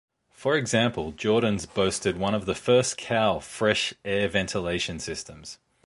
For example, Jordans boasted one of the first cowl fresh air ventilation systems.